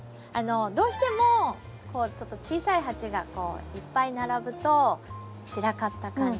どうしてもちょっと小さい鉢がいっぱい並ぶと散らかった感じがするじゃないですか。